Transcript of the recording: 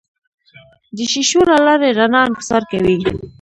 د شیشو له لارې رڼا انکسار کوي.